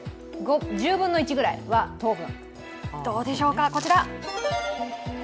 １０分の１ぐらいは糖分。